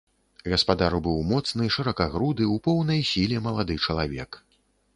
Гаспадар быў моцны, шыракагруды, у поўнай сіле малады чалавек.